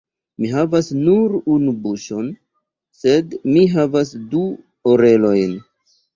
Mi havas nur unu buŝon, sed mi havas du orelojn.